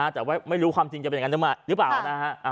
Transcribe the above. แต่ว่าไม่รู้ความจริงจะเป็นอย่างนั้นหรือเปล่านะฮะ